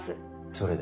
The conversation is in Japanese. それで？